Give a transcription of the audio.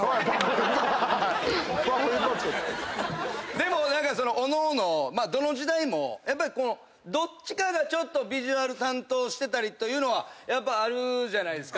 でも何かおのおのまあどの時代もやっぱりどっちかがちょっとビジュアル担当してたりというのはやっぱあるじゃないですか。